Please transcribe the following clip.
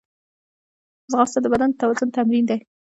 ځغاسته د بدن د توازن تمرین دی